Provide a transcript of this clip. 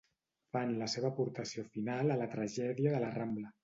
Fan la seva aportació final a la tragèdia de la Rambla.